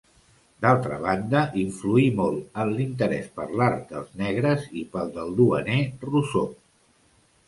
D'altra banda, influí molt en l'interès per l'art dels negres i pel del Duaner Rousseau.